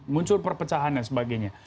muncul perpecahan dan sebagainya